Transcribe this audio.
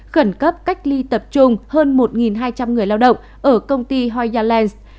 khẩn cấp cách ly tập trung hơn một hai trăm linh người lao động ở công ty hoyalance